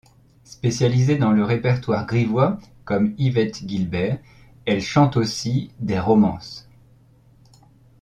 Spécialisée dans le répertoire grivois, comme Yvette Guilbert, elle chante aussi des romances.